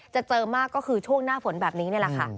เจอมากก็คือช่วงหน้าฝนแบบนี้นี่แหละค่ะ